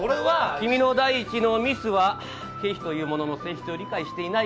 君の第１のミスは経費というものの性質を理解していない事。